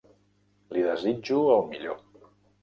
Li desitjo el millor.